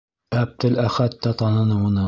Әптеләхәт тә таныны уны.